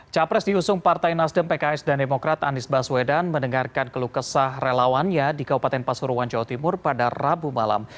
capres diusung partai nasdem pks dan demokrat anies baswedan mendengarkan kelukesah relawannya di kabupaten pasuruan jawa timur pada rabu malam